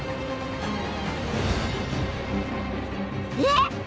えっ？